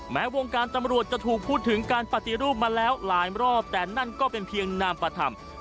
แม้วงการตำรวจจะถูกพูดถึงการปฏิรูปมาแล้วหลายรอบแต่นั่นก็เป็นเพียงนามปธรรม